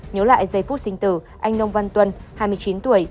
nhớ lại giây phút sinh tử anh nông văn tuân hai mươi chín tuổi